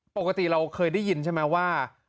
ปกติเราเคยได้ยินใช่ไหมว่า